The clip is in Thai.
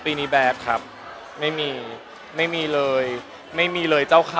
ปีนี้แบบครับไม่มีไม่มีเลยไม่มีเลยเจ้าค่ะ